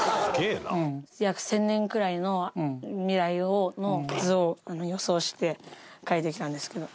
約１０００年くらいの未来の図を予想して描いてきたんですけど。